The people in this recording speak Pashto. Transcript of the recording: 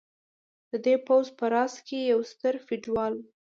د دې پوځ په راس کې یو ستر فیوډال و.